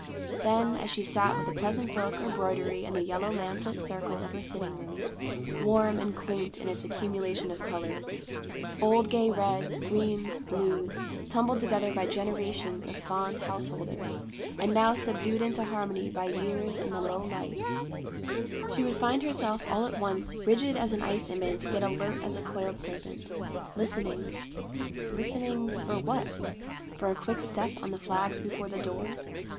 Then, as she sat with a pleasant book or broidery in the yellow lamplit circle of her sitting room, warm and quaint in its accumulation of color, old gay reds, greens, blues, tumbled together by generations of fond house holders, and now subdued into harmony by years and the low light, she would find herself all at once rigid as an ice image, yet alert as a coiled serpent; listening, listening, for what? For a quick step on the flags before the door?